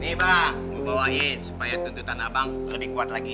ini bang bawain supaya tuntutan abang lebih kuat lagi